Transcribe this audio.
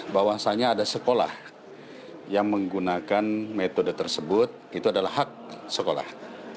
bahwasannya ada sekolah yang menggunakan metode tersebut itu adalah hak sekolah